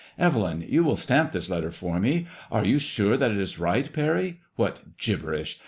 Evelyn, you will stamp this letter for me. Are you sure that is right. Parry? What gibberish!